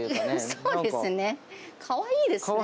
そうですね、かわいいですね。